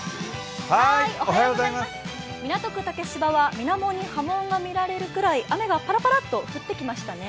港区竹芝は水面に波紋が見られるくらい雨がパラパラと降ってきましたね。